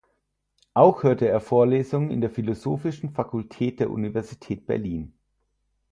Auch hörte er Vorlesungen in der Philosophischen Fakultät der Universität Berlin.